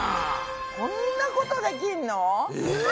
こんなことできんの？え！？